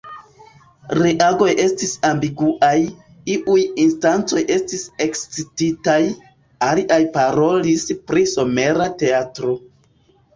Reagoj estis ambiguaj; iuj instancoj estis ekscititaj, aliaj parolis pri somera teatro.